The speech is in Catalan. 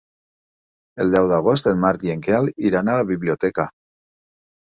El deu d'agost en Marc i en Quel iran a la biblioteca.